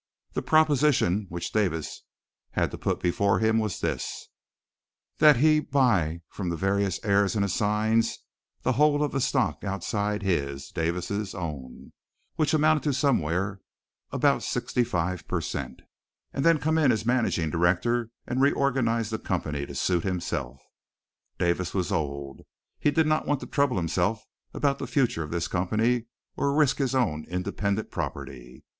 The proposition which Davis had to put before him was this: that he buy from the various heirs and assigns the whole of the stock outside his (Davis') own, which amounted to somewhere about sixty five per cent, and then come in as managing director and reorganize the company to suit himself. Davis was old. He did not want to trouble himself about the future of this company or risk his own independent property.